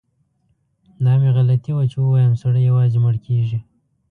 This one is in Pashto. دا مې غلطي وه چي ووایم سړی یوازې مړ کیږي.